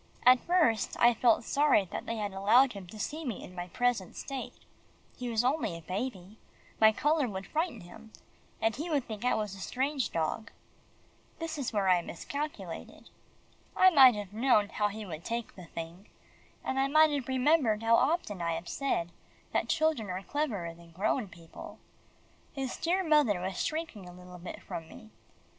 At first, I felt sorry that they had allowed him to see me in my present state. He was only a baby. My colour would frighten him, and he would think I was a strange dog. That is where I miscalculated. I might have known how he would take the thing, and I might have remembered how often I have said, that children are cleverer than grown people. His dear mother was shrinking a little bit from me.